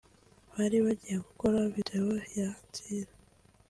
Bari bagiye gukora video ya Ancilla